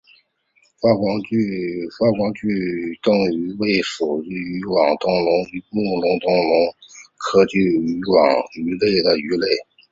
发光炬灯鱼为辐鳍鱼纲灯笼鱼目灯笼鱼科炬灯鱼属的鱼类。